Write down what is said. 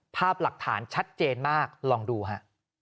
ภาพหลักฐานชัดเจนมากลองดูฮะ